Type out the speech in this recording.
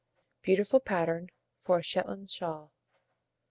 Beautiful Pattern for a Shetland Shawl.